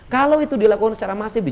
kalau itu dilakukan secara masif